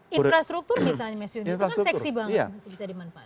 infrastruktur misalnya mas yogi itu kan seksi banget masih bisa dimanfaatkan